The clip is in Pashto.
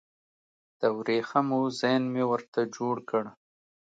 د وریښمو زین مې ورته جوړ کړ